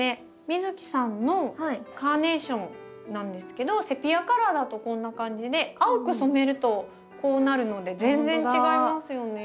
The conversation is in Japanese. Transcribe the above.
美月さんのカーネーションなんですけどセピアカラーだとこんな感じで青く染めるとこうなるので全然違いますよね。